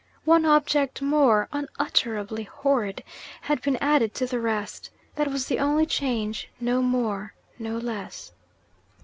One object more, unutterably horrid, had been added to the rest. That was the only change no more, no less.